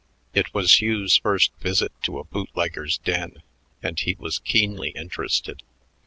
It was Hugh's first visit to a bootlegger's den, and he was keenly interested.